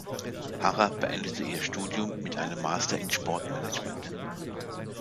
Harrer beendete ihr Studium mit einem Master in Sportmanagement.